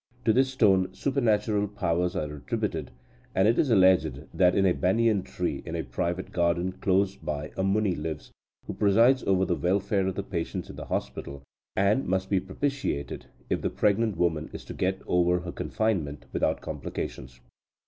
To this stone supernatural powers are attributed, and it is alleged that in a banyan tree in a private garden close by a Muni lives, who presides over the welfare of the patients in the hospital, and must be propitiated if the pregnant woman is to get over her confinement without complications.